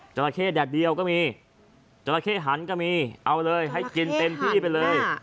ราเข้แดดเดียวก็มีจราเข้หันก็มีเอาเลยให้กินเต็มที่ไปเลย